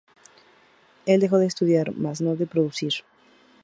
El dejó de estudiar, más no de producir.